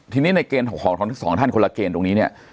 ทีนี้ในเกณฑ์ของทั้งสองท่านคนละเกณฑ์ตรงนี้เนี่ย